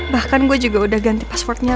bahkan gue juga udah ganti passwordnya